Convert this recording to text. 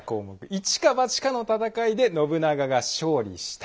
「一か八かの戦いで信長が勝利した」。